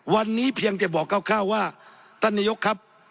วันนี้เพียงแต่บอกคร่าวว่าท่านนายกครับ